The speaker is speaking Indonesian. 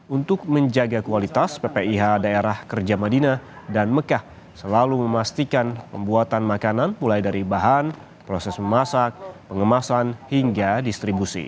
untuk menjaga kualitas ppih daerah kerja madinah dan mekah selalu memastikan pembuatan makanan mulai dari bahan proses memasak pengemasan hingga distribusi